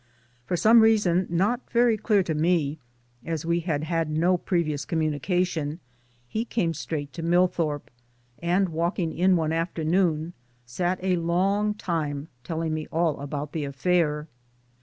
For some reason, not very clear to me as we had had no previous communication, he came straight to Mill 234 PERSONALITIES 1235 thorpe, and walking in one afternoon sat a long time telling me all about the affair.